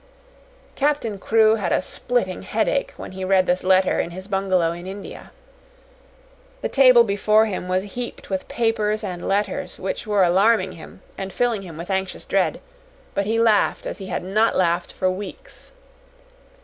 Captain Crewe had a splitting headache when he read this letter in his bungalow in India. The table before him was heaped with papers and letters which were alarming him and filling him with anxious dread, but he laughed as he had not laughed for weeks.